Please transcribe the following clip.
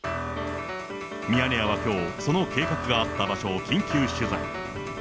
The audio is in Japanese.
ミヤネ屋はきょう、その計画があった場所を緊急取材。